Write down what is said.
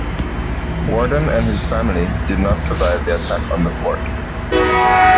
Warden and his family did not survive the attack on the fort.